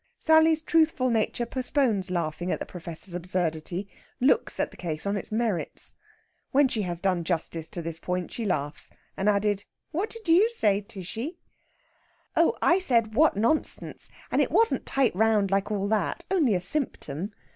Sally's truthful nature postpones laughing at the Professor's absurdity; looks at the case on its merits. When she has done justice to this point, she laughs and adds: "What did you say, Tishy?" "Oh, I said what nonsense, and it wasn't tight round like all that; only a symptom.